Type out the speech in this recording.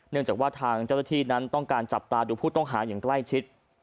นึกจากทางเกี่ยวกับที่นั้นต้องการจับตาดูผู้ต้องหาอย่างใกล้ชิด